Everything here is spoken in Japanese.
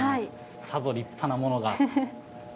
さぞ立派なものが。